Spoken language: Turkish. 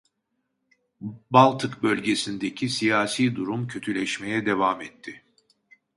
Baltık bölgesindeki siyasi durum kötüleşmeye devam etti.